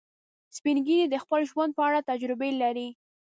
سپین ږیری د خپل ژوند په اړه تجربې لري